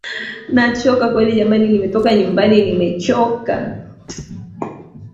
Swala na karama ya habari na hadithi inategemea na